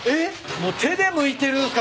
もう手でむいてるんすか？